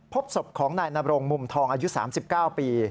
พบศพของนายนบรงมุมทองอายุ๓๙ปี